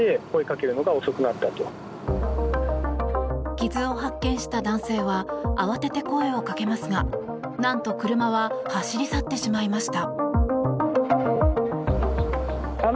傷を発見した男性は慌てて声をかけますがなんと、車は走り去ってしまいました。